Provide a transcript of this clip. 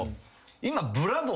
今。